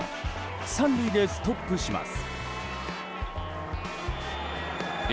３塁でストップします。